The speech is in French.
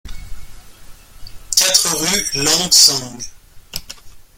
quatre rue Lan Xang